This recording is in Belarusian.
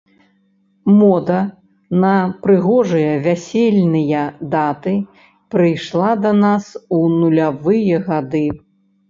Мода на прыгожыя вясельныя даты прыйшла да нас у нулявыя гады.